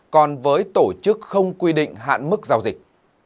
còn với tổ chức không quy định hạn mức giao dịch